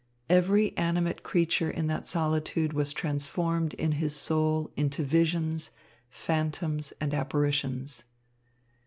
Every animate creature in that solitude was transformed in his soul into visions, phantoms and apparitions.